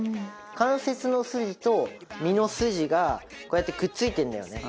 関節の筋と身の筋がこうやってくっついてるんだよね